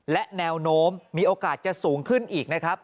และแนวโน้มมีโอกาสจะสูงขึ้นอีกนะครับ